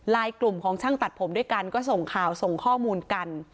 กลุ่มของช่างตัดผมด้วยกันก็ส่งข่าวส่งข้อมูลกัน